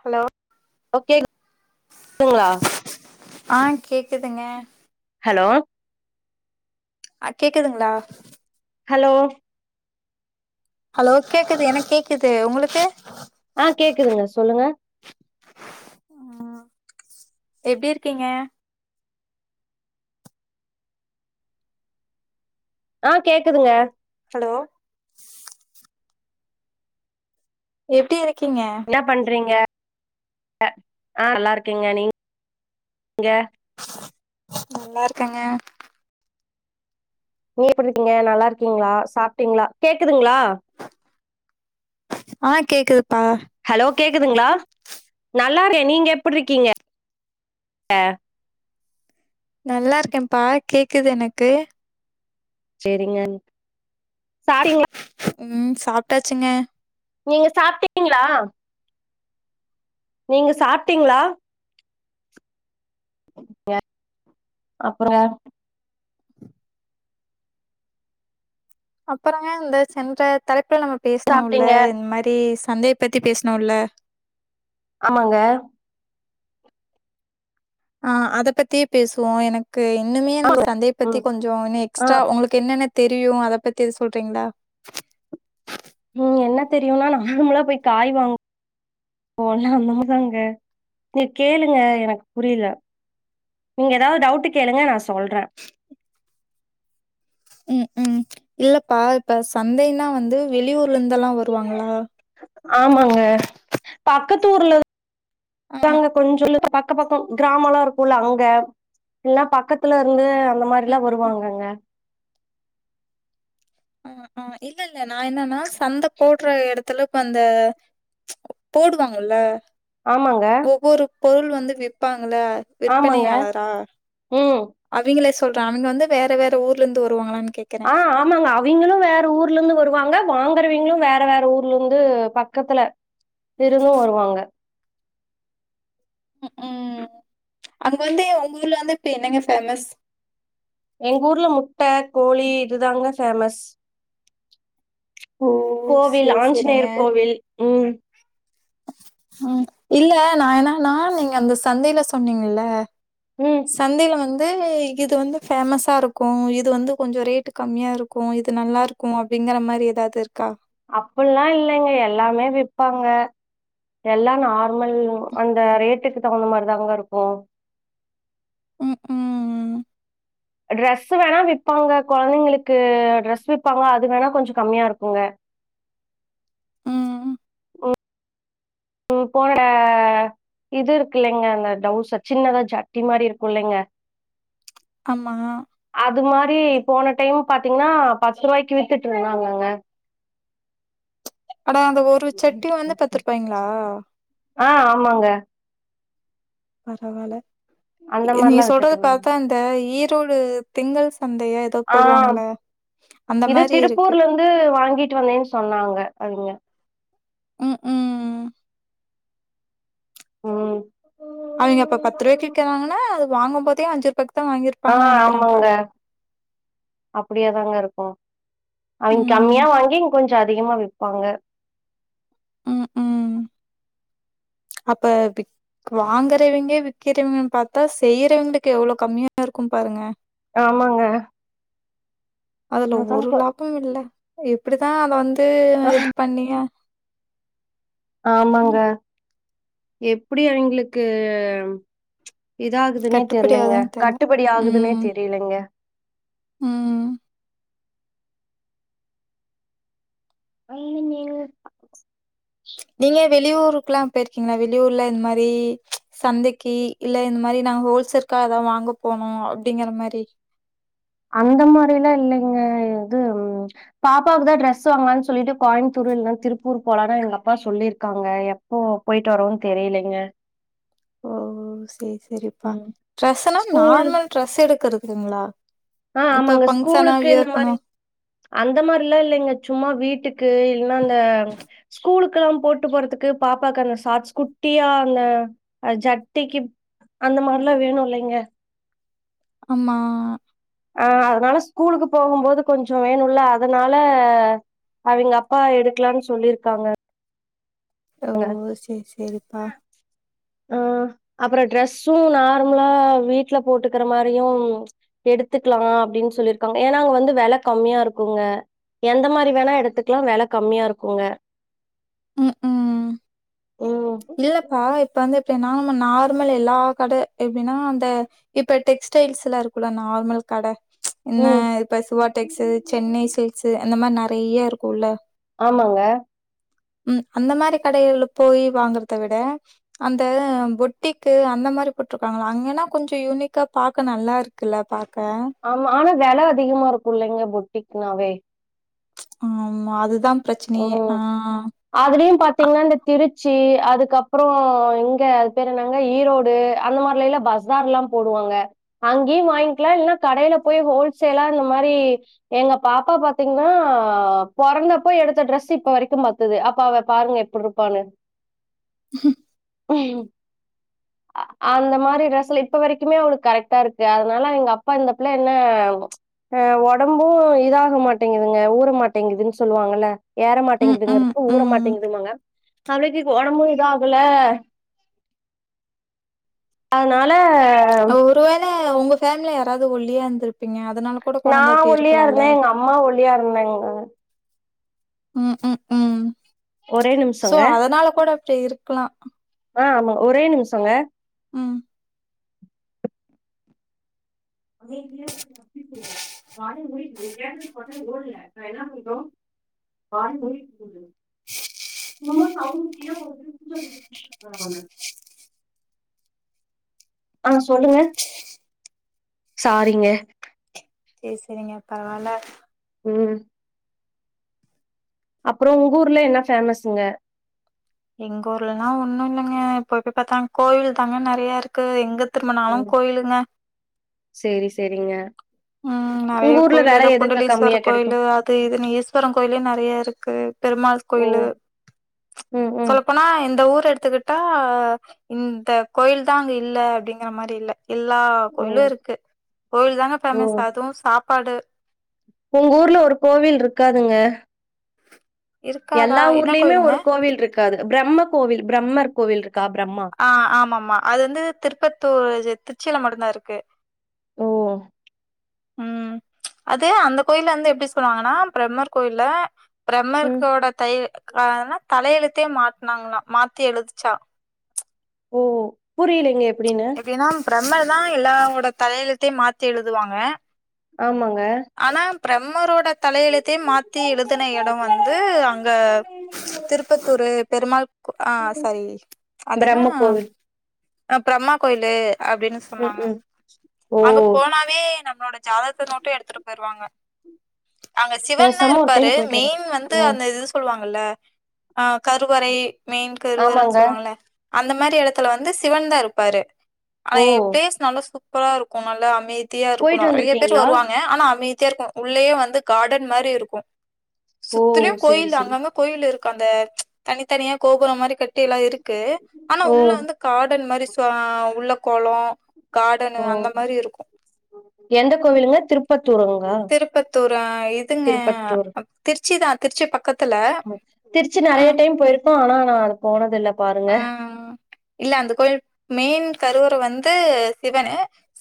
Hello okay ங்களா ஆ கேக்குதுங்க ஹலோ அ கேக்குதுங்களா ஹலோ ஹலோ கேக்குது எனக் கேக்குது உங்களுக்கு ஆ கேக்குதுங்க சொல்லுங்க ம் எப்டி இருக்கீங்க ஆ கேக்குதுங்க ஹலோ எப்டி இருக்கீங்க ன்ன பண்றீங்க ஆ நல்லா இருக்கேங்க நீங்க நல்லாருக்கங்க நீங் எப்டிருக்கீங்க நல்லா இருக்கீங்ளா சாப்ட்டீங்ளா கேக்குதுங்ளா ஆ கேக்குதுப்பா ஹலோ கேக்குதுங்ளா நல்லா இருக்கே நீங்க எப்புட்ருக்கீங்க [inaudible] நல்லா இருக்கேம்ப்பா கேக்குது எனக்கு சேரிங்க சாரிங் சாப்ட்டாச்சுங்க நீங்க சாப்ட்டீங்ளா நீங்க சாப்ட்டீங்ளா [inaudible] அப்றோ அப்பறங்க இந்த சென்ற தலைப்புல நம்ம பேசணோல்ல சாப்ட்டீங்க இந் மாரி சந்தையப் பத்தி பேஸ்னோல்ல ஆமாங்க ஆ அத பத்தியே பேசுவோ எனக்கு இன்னுமே எனக்கு சந்தைய பத்தி ம் கொஞ்சோ இன்னு ஆ எக்ஸ்ட்ரா உங்களுக் கு என்னென்ன தெரியு அதப் பத்தி எது சொல்றீங்ளா ம் என்ன தெரியுனா நார்மலா போய் காய் வாங் குவோல்ல [inaudible] நீங்க கேளுங்க எனக்கு புரிய்ல நீங்க ஏதாது டவுட் கேளுங்க நா சொல்ற ம் உம் இல்லப்பா இப்ப சந்தைன்னா வந்து வெளியூர்ல இருந்துல்லா வருவாங்களா ஆமாங்க பக்கத்தூர்ல ஆ, விப்பாங்க கொஞ்ச [inaudible] அக்க பக்கொ கிராமோல்லா இருக்குல்ல அங்க இல்ல பக்கத்துல இருந்து அந்த மார்ல்லா ம், வருவாங்கங்க ஆ ஆ இல்ல இல்ல நா என்னன்னா சந்த போடுற எடத்துல இப்போ அந்த போடுவாங்கல்ல ஆமாங்க ஒவ்வொரு பொருள் வந்து விப்பாங்கள ஆமாங்க விற்பனையாளரா ம் அவிகளே சொல்ற அவுங்க வந்து வேற வேற ஊர்ல இருந்து வருவாங்களான்னு கேக்குறே ஆ ஆமாங்க அவிங்களு வேற ஊர்லருந்து வருவாங்க வாங்குறவைங்களு வேற வேற ஊர்ல இருந்து பக்கத்துல இருந்து வருவாங்க உம் ம் அங்க வந்து உங்க ஊர்ல வந்து இப்ப என்னங்க ஃபேமஸ் எங்க ஊர்ல முட்ட கோழி இதுதாங்க ஃபேமஸ் ஓ! கோவில் சரி, சரிங்க. ஆஞ்சுநேயர் கோவில் உம் ம் இல்ல நா என்னன்னா நீங்க அந்த சந்தைல சொன்னீங்கல்ல ஏ சந்தைல வந்து இது வந்து ஃபேமஸா இருக்கு இது வந்து கொஞ்சம் ரேட்டு கம்மியா இருக்கு இது நல்லாரு க்கு அப்டிங்கற மாரி ஏதாது இருக்கா அப்புல்லா இல்லங்க எல்லாமே விப்பாங்க எல்லா நார்மல் அந்த ரேட்டுக்கு தகுந்த மாரி தாங்க இருக்கு உம் உம் ட்ரெஸு வேணா விப்பாங்க கொழந்தைங்களுக்கு ட்ரெஸ் விப்பாங்க அது வேணா கொஞ்சோ கம்மியா இருக்குங்க ம். உம் போட இது இருக்கு இல்லைங்க அந்த டவுசர் சின்னதா ஜட்டி மாரி இருக்கு இல்லைங்க ஆமா அது மாரி போன டைம் பாத்தீங்ன்னா பத்து ரூவாய்க்கு வித்துட்ருந்தாங்கங்க அட அந்த ஒரு சட்டி வந்து பத்து ரூபாயங்ளா ஆ ஆமாங்க பரவால்ல அந்த எ நீ மாதிரிலாம் வித்துட்டு சொல்றது இருந்தாங்க பாத்தா இந்த ஈரோடு திங்கள் சந்தைய அப்ப ஆ போடுவாங்கள அந்த மாரி இருக்கு வந்து வாங்கிட்டு வந்தேன்னு சொன்னாங்க அவிங்க உம் ம் உம் அவிங்க இப்போ பத்து ரூாய் விக்கிறாங்கனா அது வாங்கும் போதே அஞ்சி ரூபாய்க் ஆ ஆமாங்க அப்டியே தாங்கருக்கும் அவிங்க ம், கம்மியா வாங்கி இங்க கொஞ்ஜோ கொஞ்ஜ அதிகமா விப்பாங்க ம், ம். அப்ப விக் வாங்கறவிங்கே விக்கறவங் பாத்தா செய்யறவங்களுக்கு எவ்வளோ கம்மியாருக்கும் பாருங்க ஆமாங்க அதுல அதான் ஒரு இப்ப லாபம் இல்ல எப்டிதான் அத வந்து இது பண்ணிய ஆமாங்க எப்டி அங்கிளுக்கு இத ஆகுதுன்னே கட்டுப்படி தெரிலங்க ஆகுதுன்னு தெர்ல கட்டுபடி ஆகுதுன்னே ம் தெரியலங்க ம் அய்னுநீனு நீங்கா வெளி ஊருக்குல்லாம் போய்ருக்கீங்களா வெளிஊர்ல இந்த மாரி சந்தைக்கு இல்ல இந்த மாரி நாங்க ஹோல்செர்க்கா வாங்க போனோ அப்டிங்கற மாரி அந்த மாரிலா இல்லங்கே இது பாப்பாக்கு தான் டிரெஸ் வாங்காலன்னு சொல்லிட்டு கோயமுத்தூர் இல்ன்னா திருப்பூர் போலான்னு எங்க அப்பா சொல்லியிருக்காங்க ஓ போய்ட்டு வரோம் தெரிலங்கா ஓ செரி செரிப்பா ம். ட்ரெஸ்னா ஸ்கூல் நார்மல் ட்ரெஸ் எடுக்குறதங்களா ஆ ஆமாங்க ஸ்கூலுக்கு இந்த மாரி அந்த மாரில்லா இல்லங்க சும்மா வீட்டுக்கு இல்னா அந்த ஸ்கூலுக்கெலாம் போட்டு போறதுக்கு பாப்பாக்கு அந்த சார்ஸ் குட்டியா அந்த அ ஜட்டிக்கு அந்த மாரிலா வேணும் இல்லங்க ஆமா அ அதனால ஸ்கூலுக்கு போகும் போது கொஞ்சம் வேணும்ல்ல அதனால அவிங்க அப்பா எடுக்கலா சொல்லியிருக்காங்க ஓ செரி செரிப்பா ஆ அப்புறம் ட்ரெஸ்ம் நார்மலா வீட்ல போட்டுக்கற மாரியும் எடுத்துக்கலாம் அப்டின்னு சொல்லிருக்காங்க ஏன்னா அங்க வந்து வெல கம்மியா இருக்குங்க எந்த மாரி வேணா எடத்துக்கெலாம் வேல கம்மியா இருக்குங்க ம் ம் ம் இல்லப்பா இப்ப வந்து எப்டினா நம்ம நார்மல் எல்லா கட எப்டின்னா அந்த இப்ப டெக்ஸ்டைல்ஸ்ல்லா இருக்கும்லா நார்மல் கட என்ன ம் இப்ப சுவா டெக்ஸ் சென்னை சில்ஸ் அந்த மாரி நெறைய இருக்கும்ல ஆமாங்க ம் அந்த மாரி கடைகளில் போய் வாங்கறத விட அந்த பொட்டிக்கு அந்த மாரி போட்டுருக்காங்கள அங்கேன்னா கொஞ்ச யூனிக்காக பாக்க நல்லாருக்கு கிலா பாக்கா ஆமா ஆனா வெல அதிகமாருக்கும்ல்லங்க பொட்டிக்குனாவே ஆமா அதுதான் பெரச்சனையே ம் ஆ அதுலயும் அ பாத்தீங்கன்னா இந்த திருச்சி அதுக்கப்பறம் இங்க அது பேர் என்னாங்க ஈரோடு அந்த மாரிலல்லா பஸார் எல்லா போடுவாங்க அங்கேயும் வாங்கிக்கலா இல்லன்னா கடையில போய் ஹோல்சேலா இந்த மாரி எங்க பாப்பா பாத்தீங்கன்னா பொறந்தப் அப்போ எடுத்த டிரரெஸ் இப்ப வரைக்கும் பத்துது அப்ப அவ பாருங்க எப்டி இருப்பான்னு [inaudible] [unintelligible] அந்த மாரி ட்ரெஸ்ல இப்ப வரைக்குமே அவளுக்கு கரெக்டா இருக்கு அதனால எங்க அப்பா இந்த பிள்ள என்ன ஆ ஒடம்பும் இதாக மாட்டேங்குதுங்க ஊற மாட்டேங்குதுன்னு சொ சொல்லுவாங்கல்ல ஏற ம், ம், மாட்டேங்குதுங்கிறதுக்கு ஊற ம். மாட்டேங்குதுமாங்க அவளுக்கு ஒடம்பும் இதாகுலே அதனால ஒருவேள உங்க ஃபேமிலில யாராவது ஒள்ளியா இருந்து பிங்க அதனால கூட கொழந்த நான் அப்டி ஒள்ளியா இருக்கலால்ல? இருந்தே எங்க அம்மா ஒள்ளியா இருந்தாங்க ம் ம் ம் ஒரே சோ நிமிஷங்க அதனால கூட அப்டி இருக்கலா ஆ ஆமா ஒரே நிம்ஸோங்க ம் [inaudible] [inaudible] [inaudible] ஆ சொல்லுங்க சாரீங்க செ செரிங்க பரவால்ல ம் அப்பறோ உங்க ஊருல என்ன பேமஸுங்க எங்க ஊர்லலா ஒன்னு இல்லங்க போய் போய் பாத்தாங் அங்க கோயில் தாங்க நெறய இருக் கு எங்க திரும்புனாலு கோயிலுங்க செரி செரிங்க ம் நெறய கோயில் எதோ குண்டலீஸ்வர கம்மியா கெடைக்கு கோயிலு அது இதுன்னு ஈஸ்வரன் கோயிலே நெறய இருக்கு பெருமாள் ஓ கோயிலு ம் ம் சொல்லப்போனா இந்த ஊர எடுத்துக்கிட் டா இந்த கோயில்தா அங்க இல்ல அப்டிங்கிற மாரி இல்ல எல்லா ஓ கோயிலு இருக்கு கோயில்தாங்க ஓ ஃபேமஸ் அதுவு சாப்பாடு உங்க ஊர்ல ஒரு கோவில்ட்ருக்காதுங்க இருக்காதா எல்லா என்ன ஊர்லயுமே கோயிலுங்க ஒரு கோவில்ட்ருக்காது பிரம்ம கோவில் பிரம்மர் கோவில்ட்ருக்கா பிரம்மா ஆ ஆமாம்மா அது வந்து திருப்பத்தூர் திருச்சில மட்டுந்தா இருக்கு ஓ ம் அது அந்த கோயில்ல வந்து எப்டி சொல்லுவாங்கன்னா பிரம்மர் கோயில்ல ம். பிரம்மர்களோட தய அதன்ன தலையெழுத்தே மாத்துனாங்களா மாத்தி எழுதுச்சா ஓ புரியலைங்க எப்புடினு எப்டினா பிரம்மர்தா எல்லாவோட தலையெழுத்தையு மாத்தி எழுதுவாங்க ஆமாங்க ஆனா பிரம்மரோட தலையெழுத்தே மாத்தி எழுதுன எடோ வந்து அங்க திருப்பத்தூரு பெருமாள் கோ ஆ சாரி அதென்னா பிரம்ம கோவில். அ பிரம்மா கோயிலு அப்டின்னு சொன்னாங்க ம்ஹ்ம். ஓ! அங்க போனாவே நம்மளோட ஜாதகத்து நோட்டே எடுத்துட்டு போய்ருவாங்க அங்க சிவன்தா பேசாம ஒரு இருப்பாரு டைம் போயிட்டு மெயின் வரணும். வந்து ஓ! அந்த இது சொல்லுவாங்கல்ல ஆ கருவறை மெயின் கருவறன் ஆமாங்க. சொல்லுவாங்கல அந்த மாரி எடத்துல வந்து சிவன்தா இருப்பாரு ஓ! அவே ஃபேஸ் நல்லா சூப்பரா இருக்கு நல்லா அமைதியா இருக்கு போயிட்டு நெறைய பேர் வந்திருக்கீங்களா? வருவாங்க ஆனா அமைதியா இருக்கு உள்ளேயே வந்து காடன் மாரி இருக்கு ஓ! சுத்துலியு சரி, கோயில் சரி. அங்கங்க கோயில் இருக்கு அந்த தனித்தனியா கோபுரம் மாரி கட்டி எல்லா இருக்கு ஆனா ஓ! உள்ள வந்து காடன் மாரி சு அ உள்ள கொளோ காடனு ஓ! அந்த மாரி இருக்கு எந்த கோவிலுங்க திருப் பத்தூருங்ளா திருப்பத்தூர் ஆ இதுங்க திருச்சி தா திருச்சி பக்கத்துல திருச்சி ஆ நெறைய டைம் போயிருக்கோ ஆனா நா அது போனதில்ல பாருங்க ஆ இல்ல அந்த கோயில் மெயின் கருவற வந்து சிவனு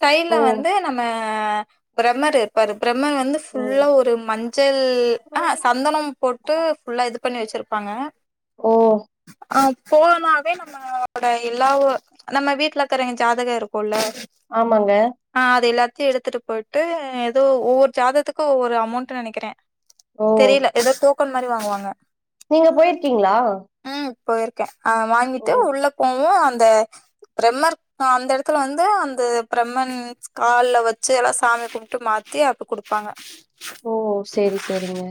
சைட்ல ஓ! வந்து நம்ம அ பிரம்மரு இருப்பாரு பிரம்மர் வந்து ஓ! ஃபுல்லா ஒரு மஞ்சள் அ அ சந்தனோ போட்டு ஃபுல்லா இது பண்ணி வெச்சிருப்பாங்க ஓ ஆ போனாவே நம்மலோட எல்லாவோ நம்ம வீட்ல இருக்கறேங்க ஜாதக இருக்கோல ஆமாங்க ஆ அது எல்லாத்தையே எடுத்துட்டு போயிட்டு ஏதோ ஒவ்வொரு ஜாதகத்துக்கோ ஒவ்வொரு அமௌண்ட் நெனைக்கிற ஓ தெரியல ஏதோ டோக்கன் மாறி வாங்குவாங்க நீங்க போயிருக்கீங்களா ம் போயிருக்கே ஓ வாங்கிட்டு உள்ள போவோ அந்த பெரம்மர்க் நா அந்த எடத்துல வந்து அந்த ப்ரெம்மன் கால்ல வச்சு எல்லா சாமி கும்ட்டு மாத்தி அப்ப குடுப்பாங்க ஓ செரி செரிங்க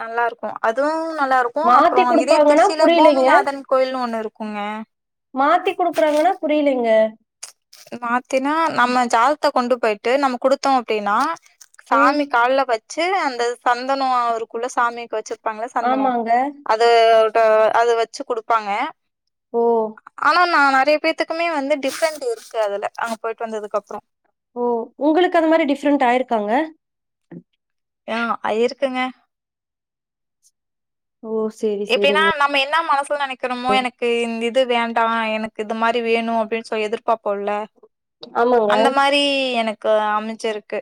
நல்லா இருக்கோ அதுவோ நல்லா இருக்கோ மாத்தி அப்புறோ இதே குடுப்பாங்கன்னா திருச்சியில புரியலைங்க பூமிநாதன் கோயில்ன்னு ஒண்ணு இருக்குங்க மாத்தி குடுக்குறாங்கன்னா புரியலிங்க மாத்தினா நம்ம ஜாதத்த கொண்டு போயிட்டு நம்ம குடுத்தோ அப்டினா ம் சாமி கால்ல வச்சு அந்த சந்தனோ அவருக்குள்ள சாமிக்கு வச்சிர் விப்பாங்க சந்தனோ ஆமாங்க அது அது வச்சி குடுப்பாங்க ஓ ஆனா நா நெறைய பேத்துக்குமே வந்து டிஃப்ரெண்ட் இருக்கு அதல அங்க போயிட்டு வந்ததுக்கப்புறோ ஓ உங்களுக்கு அந்த மாதிரி டிஃப்ரெண்ட் ஆயிருக்காங்க ஆ அது இருக்குங்க ஓ சேரி எப்டினா சேரிங்க நம் ம்ம என மனசுல நெனைக்கிறோமோ எனக்கு இந்த இது வேண்டா எனக் இது மாரி வேணோ அப்டின் சொல்லி எதிர்பாப்போல ஆமாங்க அந்த மாறி எனக் கு அமச்சருக்கு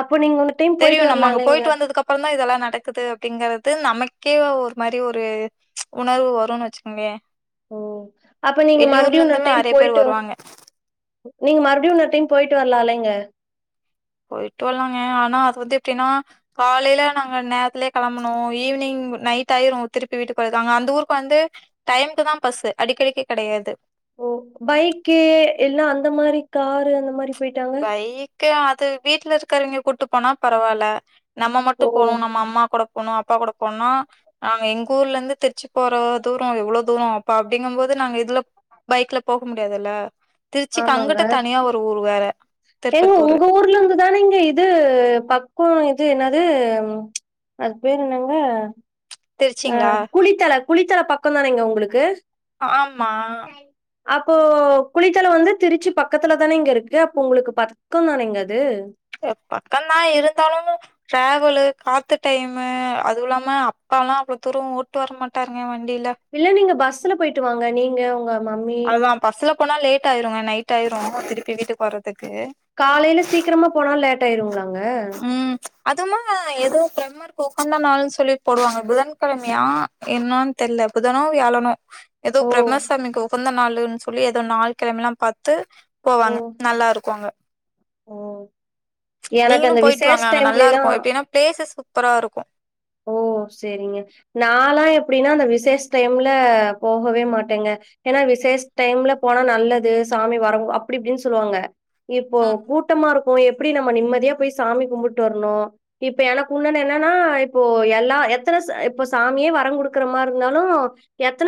அப்போ நீங்க வந்து தெரியோ நம்ம அங்க போயிட்டு வந்ததுக்கப்புறோ தா இதெல்லா நடக்குது அப்டிங்கறது நமக்கே ஒரு மாரி ஒரு உணர்வு வருன்னு வெச்சுக்கோங்கயே ஓ அப்ப நீங்க மறுபடியு இன்னொரு டைம் நெறைய பேர் போயிட்டு வ் வருவாங்க நீங்க மறுபடியு இன்னொரு டைம் போயிட்டு வரால இல்லேங்க போயிட்டு வரலாங்க ஆனா அது வந்து எப்டினா காலையில நாங்க நேரத்துலேயே கிளம்பனு ஈவினிங் நைட் ஆயிரு திருப்பி வீட்டுக்குர்துகு அங்க அந்த ஊருக்கு வந்து டைமுக்கு தா பஸ்ஸூ அடிக்கடிக்கு கெடயாது ஓ பைக்கி இல்லனா அந்த மாறி காரு அந்த மாறி பைக்கு அது வீட்ல இருக்கிறேவேங்க கூட்டு போனா பரவால்ல நம்ம மட்டு ஓ போனு நம்ம அம்மா கூட போனு அப்பா கூட போணுனா நாங்க எங்க ஊர்ல இருந்து திர்ச்சிக் போறோ தூரோ எவ்ளோ தூரோ அப்ப அப்டிங்கம் போது நாங்க இதுல பைக்ல போக முடியாதுல்ல திர்ச்சிக்கு அங்குட்டு தனியா ஒரு ஊரு வேற எங்க திருப்பத்தூரு உங்க ஊர்ல இருந்துதானேங்கே இது பக்கோ இது என்னது அது பேரு என்னங்க அ திருச்சிங்களா குளித்தல குளித்தல பக்கோ தானேங்க உங்களுக்கு ஆமா அப்போ குளித்தல வந்து திருச்சி பக்கத்துல தானேங்க இருக்கு அப்போ உங்களுக்கு பக்கோந் தானேங்க அது தெ பக்கந்தா இருந்தாலு ட்ராவலு காத்து டைமு அதுவுயில்லாம அப்பால்லா அவ்ளோ தூரோ ஓட்டு வரமாட்டாருங்க வண்டியில இல்ல நீங்க பஸ்ல போயிட்டு வாங்க நீங்க உங்க மம்மி அதுதா பஸ்ல போனா லேட் ஆயிருங்க நைட் ஆயிரோ திருப்பி வீட்டுக் போறதுக்கு காலையில சீக்கிரமா போனாலு லேட்டா ஆயிருங்களாங்க ம் அதுமா ஏதோ ஃப்ரெம்ம ருக்கு உகந்த நாள்ன்னு சொல்லி போடுவாங்க புதன்கிழமையா என்னன்னு தெர்ல புதனோ வியாழனோ எதோ ஓ பிரம்மசாமிக்கு உகந்த நாள்ன்னு சொல்லி ஏதோ நாள் கிழமலா பாத்து ஓ போவாங்க நல்லா இருக்கு அங்க ஓ எனக்கு நீங்களும் அந்த போயிட்டு வாங்க விசேஷ் அங்க நல்லா டைம்லலா இருக்கு எப்டின்னா பிளேசஸ் சூப்பரா இருக்கு ஓ சேரிங்க நாலா எப்படின்னா அந்த விசேஷ டைம்ல போகவே மாட்டேங்க ஏன்னா விசேஷ டைம்ல போனா நல்லது சாமி வர அப்டி இப்டின்னு சொல்லுவாங்க இப்போ ம் கூட்டமா இருக்கு எப்படி நம்ம நிம்மதியா போய் சாமி கும்பிட்டு வர்ணு இப்ப எனக்கு உன்னொன்னு என்னன்னா இப்போ எல்லா எத்தனை இப்போ சாமியே வரங்கடுக்குற மாரி இருந்தாலு எத்தன